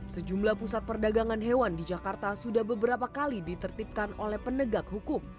sejumlah pusat perdagangan hewan di jakarta sudah beberapa kali ditertipkan oleh penegak hukum